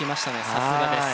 さすがです。